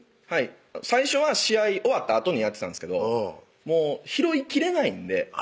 はい最初は試合終わったあとにやってたんですけどもう拾いきれないんで